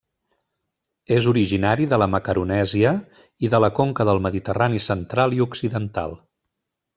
És originari de la Macaronèsia i de la conca del Mediterrani central i occidental.